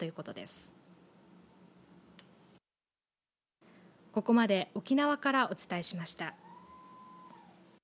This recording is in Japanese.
ここまで沖縄からお伝えしました。